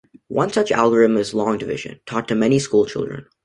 One such algorithm is long division, taught to many school children.